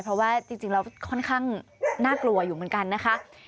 เพราะว่าจริงแล้วค่อนข้างน่ากลัวอยู่เหมือนกันนะคะ